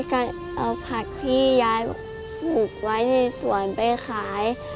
กับผักที่ย้านหูบไว้ในสวนไปขาย